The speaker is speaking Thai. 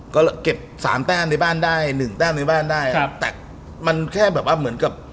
ก็เก็บ๓แต้มในบ้านได้๑แต้มในบ้านได้แต่มันแค่แบบว่าเหมือนกับ